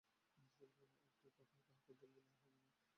একটি কথাও তাহাকে বলিতে হইবে না।